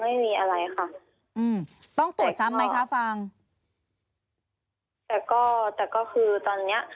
ไม่มีอะไรค่ะอืมต้องตรวจซ้ำไหมคะฟังแต่ก็แต่ก็คือตอนเนี้ย